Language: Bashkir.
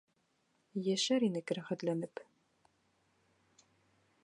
Йәшәр инек рәхәтләнеп!